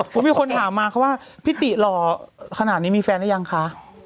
ผมมีคนถามมาเขาว่าพี่ติหล่อขนาดนี้มีแฟนหรือยังคะ